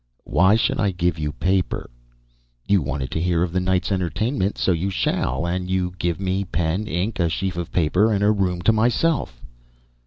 "Why should I give you paper?" "You wanted to hear of the night's entertainment. So you shall, an you give me pen, ink, a sheaf of paper, and a room to myself."